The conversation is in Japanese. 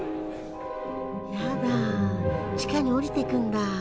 やだ地下に下りてくんだ。